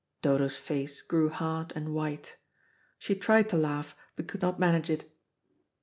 Dodo's face grew hard and white. She tried to laugh, but could not manage it.